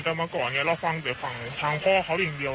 แต่มาก่อนเราฟังแต่ฝั่งทางพ่อเขาอย่างเดียว